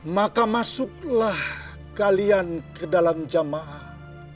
maka masuklah kalian ke dalam jamaah